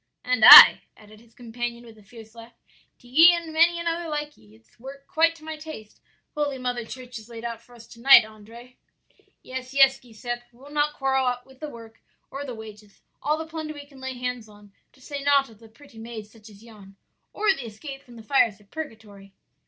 "'And I,' added his companion with a fierce laugh; 'to ye and many another like ye. It's work quite to my taste Holy Mother Church has laid out for us to night, Andrea.' "'Yes, yes, Giuseppe, we'll not quarrel with the work or the wages; all the plunder we can lay hands on; to say naught of the pretty maids such as yon, or the escape from the fires of purgatory.'